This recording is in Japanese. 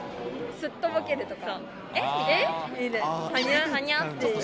すっとぼけるとか。